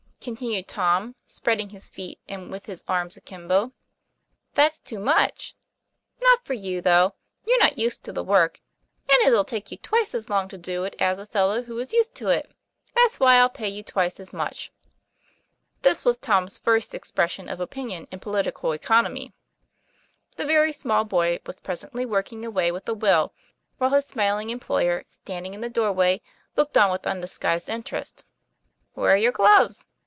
continued Tom, spreading his feet and with his arms akimbo. "That's too much." " Not for you, though. You're not used to the work, and it'll take you twice as long to do it as a fellow who is used to it. That's why I'll pay you twice as much." This was Tom's first expression of opinion in political economy. The very small boy was presently working away with a will, while his smiling employer, standing in the doorway, looked on with undisguised interest. "Where's your gloves?"